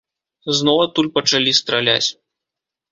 Зноў адтуль пачалі страляць.